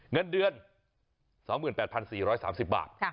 เงินเดือน๒๘๔๓๐บาท